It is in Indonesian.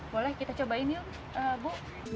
boleh kita cobain yuk bu